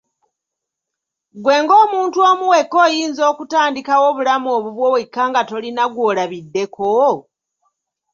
Ggwe ng'omuntu omu wekka oyinza okutandikawo obulamu obubwo wekka nga tolina gw'olabiddeko ?